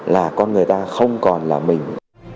là con người ta không còn là mình